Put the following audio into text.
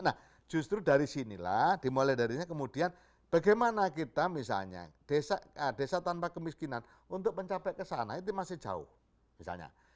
nah justru dari sini lah dimulai dari sini kemudian bagaimana kita misalnya desa tanpa kemiskinan untuk mencapai ke sana itu masih jauh